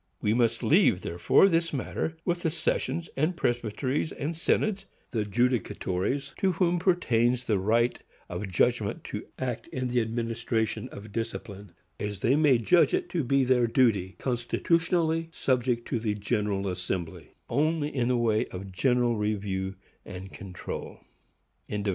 We must leave, therefore, this matter with the sessions, presbyteries and synods,—the judicatories to whom pertains the right of judgment to act in the administration of discipline, as they may judge it to be their duty, constitutionally subject to the General Assembly only in the way of general review and control.